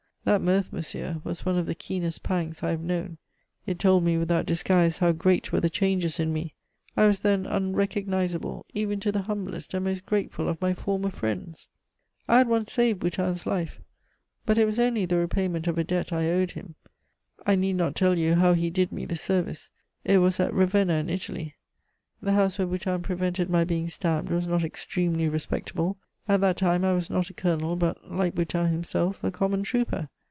That mirth, monsieur, was one of the keenest pangs I have known. It told me without disguise how great were the changes in me! I was, then, unrecognizable even to the humblest and most grateful of my former friends! "I had once saved Boutin's life, but it was only the repayment of a debt I owed him. I need not tell you how he did me this service; it was at Ravenna, in Italy. The house where Boutin prevented my being stabbed was not extremely respectable. At that time I was not a colonel, but, like Boutin himself, a common trooper.